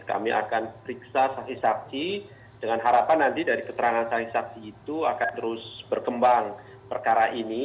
kami akan periksa saksi saksi dengan harapan nanti dari keterangan saksi saksi itu akan terus berkembang perkara ini